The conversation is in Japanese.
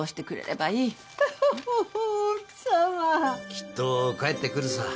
きっと返ってくるさ。